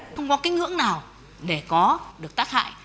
không có kinh hưởng nào để có được tác hại